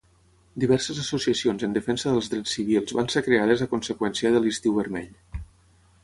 Diverses associacions en defensa dels drets civils van ser creades a conseqüència de l'Estiu Vermell.